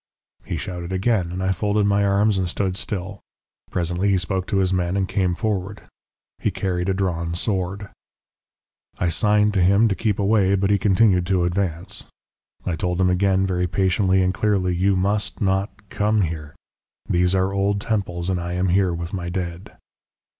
"He shouted again, and I folded my arms and stood still. Presently he spoke to his men and came forward. He carried a drawn sword. "I signed to him to keep away, but he continued to advance. I told him again very patiently and clearly: 'You must not come here. These are old temples and I am here with my dead.'